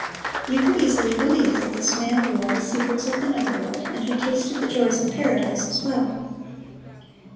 You could easily believe that this man knew all the secrets of the Nether World, and had tasted the joys of Paradise as well.